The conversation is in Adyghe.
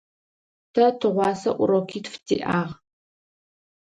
Тэ тыгъуасэ урокитф тиӏагъ.